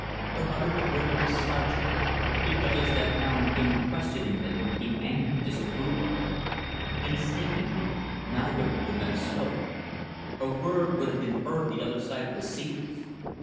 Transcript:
From under the brim of his slouch hat, he gazed at Aaron King questioningly in angry disapproval. Instinctively, neither of the men spoke. A word would have been heard the other side of the cedars.